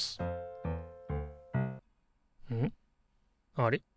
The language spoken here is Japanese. あれ？